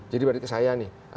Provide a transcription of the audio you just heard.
jadi berarti ke saya nih